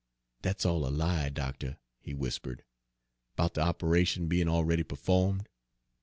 "Dat's all a lie, doctuh," he whispered, "'bout de operation bein' already pe'fo'med.